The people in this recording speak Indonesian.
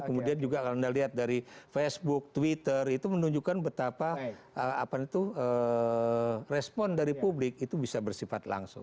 kemudian juga kalau anda lihat dari facebook twitter itu menunjukkan betapa itu respon dari publik itu bisa bersifat langsung